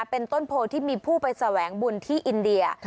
เป็นต้นโพที่มีผู้ไปแสวงบุญที่อินเดีย